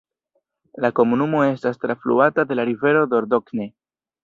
La komunumo estas trafluata de la rivero Dordogne.